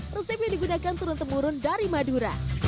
resep yang digunakan turun temurun dari madura